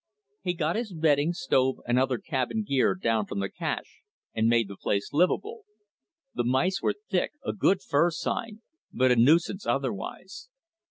He got his bedding, stove, and other cabin gear down from the cache and made the place livable. The mice were thick, a good fur sign, but a nuisance otherwise.